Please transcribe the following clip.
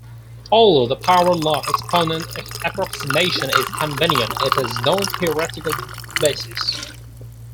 Although the power law exponent approximation is convenient, it has no theoretical basis.